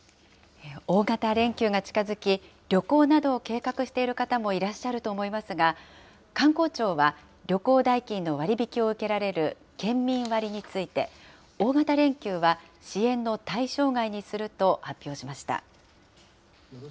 大型連休が近づき、旅行などを計画している方もいらっしゃると思いますが、観光庁は旅行代金の割り引きを受けられる県民割について、大型連休は支援の対象外にすると発表しました。